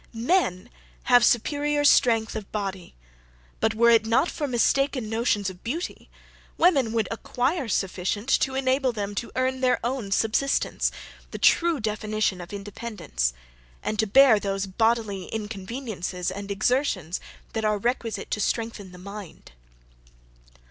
Men have superiour strength of body; but were it not for mistaken notions of beauty, women would acquire sufficient to enable them to earn their own subsistence, the true definition of independence; and to bear those bodily inconveniences and exertions that are requisite to strengthen the mind.